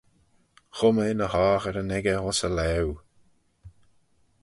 Chum eh ny hogheryn echey ayns e laue.